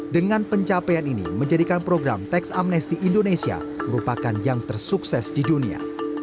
dengan pencapaian ini menjadikan program teks amnesty indonesia merupakan yang tersukses di dunia